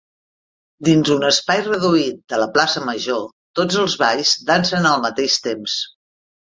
Dins un espai reduït de la plaça Major tots els balls dansen al mateix temps.